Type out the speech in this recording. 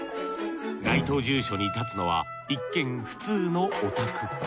該当住所に建つのは一見普通のお宅。